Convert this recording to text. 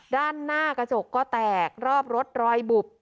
ด้านหน้ากระจกก็แตกรอบรถรอยบุบ